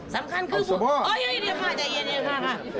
สำคัญคือโอ๊ยเดี๋ยวค่ะใจเย็นค่ะค่ะ